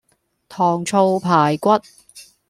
糖醋排骨